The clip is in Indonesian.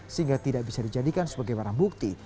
sehingga tidak bisa dijadikan sebagai barang bukti